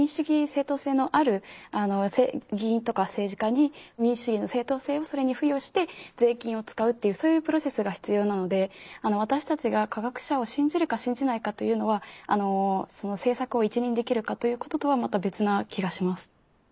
正統性のある議員とか政治家に民主主義の正統性をそれに付与して税金を使うっていうそういうプロセスが必要なのであの私たちが科学者を信じるか信じないかというのはその政策を一任できるかということとはまた別な気がします。